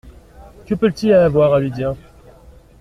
Que peut-il avoir à lui dire ?